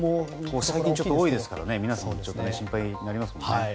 最近ちょっと多いですから皆さん心配になりますね。